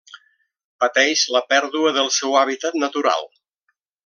Pateix la pèrdua del seu hàbitat natural.